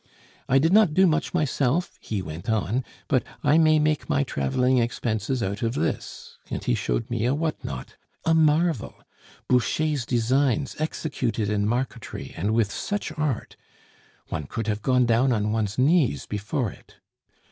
'I did not do much myself,' he went on, 'but I may make my traveling expenses out of this,' and he showed me a what not; a marvel! Boucher's designs executed in marquetry, and with such art! One could have gone down on one's knees before it.